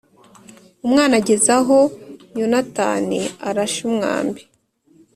Umwana ageze aho Yonatani arashe umwambi